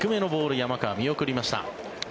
山川、見送りました。